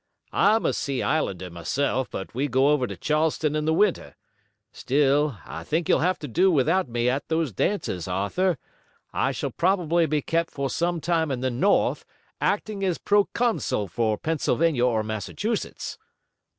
"I'm a Sea Islander myself, but we go over to Charleston in the winter. Still, I think you'll have to do without me at those dances, Arthur. I shall probably be kept for some time in the North, acting as proconsul for Pennsylvania or Massachusetts."